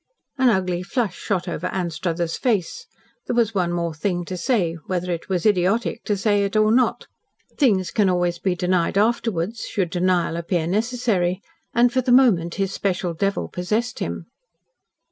An ugly flush shot over Anstruthers' face. There was one more thing to say whether it was idiotic to say it or not. Things can always be denied afterwards, should denial appear necessary and for the moment his special devil possessed him.